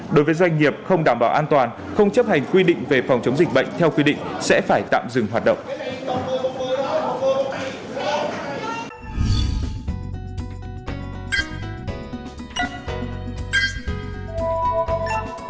đối với doanh nghiệp không đảm bảo an toàn không chấp hành quy định về phòng chống dịch bệnh theo quy định sẽ phải tạm dừng hoạt động